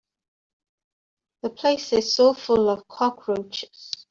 The place is so full of cockroaches.